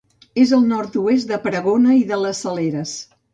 És al nord-oest de Pregona i de les Saleres.